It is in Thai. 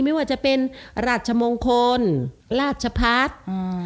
ไม่ว่าจะเป็นราชมงคลราชพัฒน์